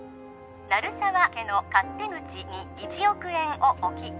鳴沢家の勝手口に１億円を置き